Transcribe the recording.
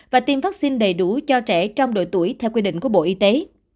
và tiêm vaccine đầy đủ cho trẻ trong độ tuổi theo quy định của bộ y tế